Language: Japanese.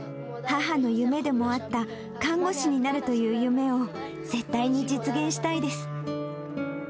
母の夢でもあった看護師になるという夢を絶対に実現したいです。